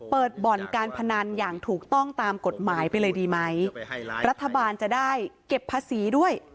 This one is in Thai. เปิดบ่อนการพนันอย่างถูกต้องตามกฎหมายไปเลยดีไหมรัฐบาลจะได้เก็บภาษีด้วย